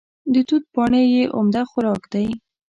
د توت پاڼې یې عمده خوراک دی.